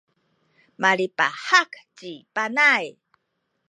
malipahak ci Panay.